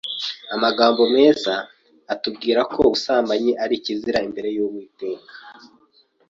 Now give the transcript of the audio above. amagambo meza atubwira ko ubusambanyi ari kizira imbere y’uwiteka